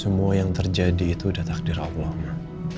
semua yang terjadi itu sudah takdir allah